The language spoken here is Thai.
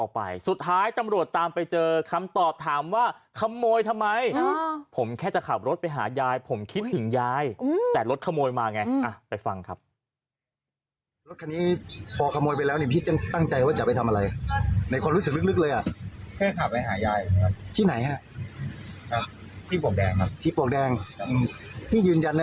พอขโมยไปแล้วเนี่ย